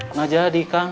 nggak jadi kang